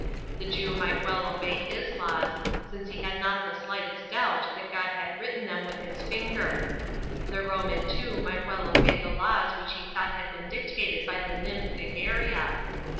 The Jew might well obey his laws, since he had not the slightest doubt that God had written them with his finger; the Roman too might well obey the laws which he thought had been dictated by the nymph Egeria.